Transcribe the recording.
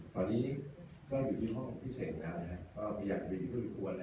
ตอนนี้ก็อยู่ที่ห้องพิเศษนะฮะก็อยากไปที่ที่ควรนะฮะ